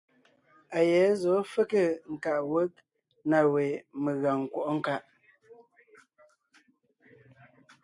A yɛ̌ zɔ̌ fege nkaʼ wég na we megàŋ nkwɔ́ʼɔ nkaʼ.